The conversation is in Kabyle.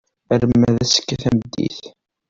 Arma d azekka tameddit.